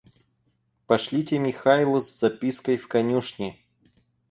Пошлите Михайлу с запиской в конюшни.